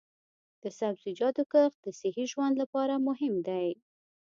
د سبزیجاتو کښت د صحي ژوند لپاره مهم دی.